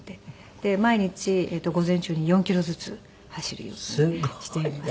で毎日午前中に４キロずつ走るようにしています。